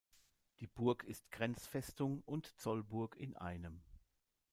Die Burg ist Grenzfestung und Zollburg in einem.